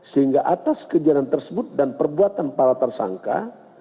sehingga atas kejadian tersebut dan perbuatan para tersangka